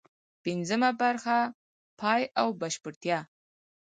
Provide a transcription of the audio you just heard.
پنځمه برخه: پای او بشپړتیا